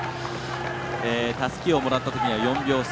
たすきをもらったときには４秒差。